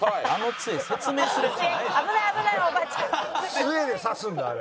杖で指すんだあれ。